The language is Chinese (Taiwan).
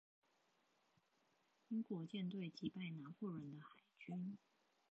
英國艦隊擊敗拿破崙的海軍